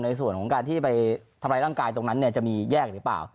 ในส่วนของการที่ไปทำร้ายร่างกายตรงนั้นจะมีแยกหรือเปล่า